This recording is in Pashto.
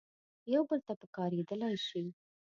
یو بل ته پکارېدلای شي.